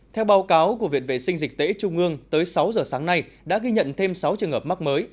theo báo cáo của viện vệ sinh dịch tễ trung ương tới sáu giờ sáng nay đã ghi nhận thêm sáu trường hợp mắc mới